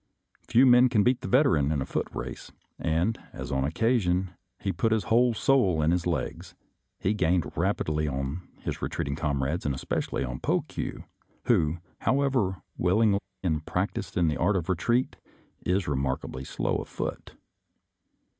Few men can beat the Veteran in a foot race, and, as on this occa sion he put his whole soul in his legs, he gained rapidly on his retreating comrades, and espe cially on Pokue, who, however willing and prac ticed in the art of retreat, is remarkably slow of foot.